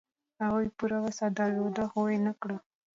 هغوی پوره وس درلود، خو و نه کړ.